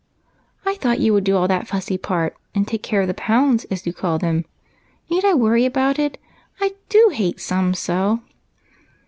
" "I thought you would do all that fussy part and take care of the pounds, as you call them. Need I worry about it ? I do hate sums so